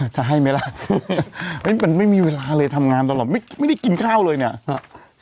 จะให้ไหมล่ะมันไม่มีเวลาเลยทำงานตลอดไม่ได้กินข้าวเลยเนี่ย